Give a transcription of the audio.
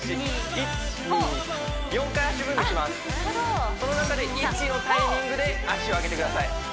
あっなるほどその中で１のタイミングで足を上げてください